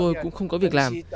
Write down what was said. tôi cũng không có việc làm